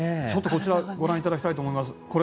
こちらをご覧いただきたいと思います。